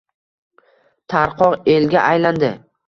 Tarqoq elga aylandi